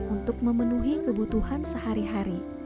untuk memenuhi kebutuhan sehari hari